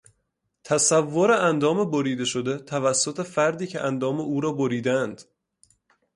تصور وجود اندام بریده شده توسط فردی که اندام او را بریدهاند